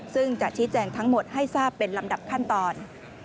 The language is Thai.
ซึ่งจะชี้แจงทั้งหมดให้ทราบเป็นลำดับขั้นตอน